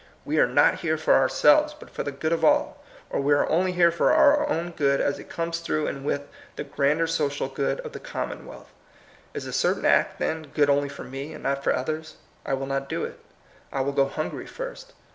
We are not here for our selves, but for the good of all; or we are only here for our own good as it comes through and with the grander social good of the commonwealth. Is a certain act, then, good only for me, and not for others ? I will not do it. I will go hungry first.